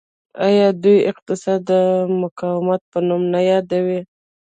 آیا دوی اقتصاد د مقاومت په نوم نه یادوي؟